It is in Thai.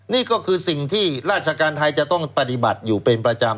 นี่ก็คือสิ่งที่ราชการไทยจะต้องปฏิบัติอยู่เป็นประจำ